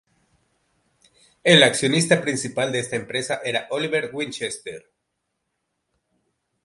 El accionista principal de esta empresa era Oliver Winchester.